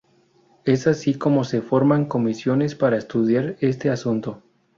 Es así como se forman comisiones para estudiar este asunto.